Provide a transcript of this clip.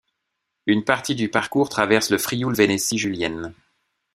Une partie du parcours traverse le Frioul-Vénétie julienne.